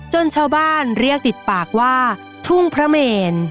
ชาวบ้านเรียกติดปากว่าทุ่งพระเมน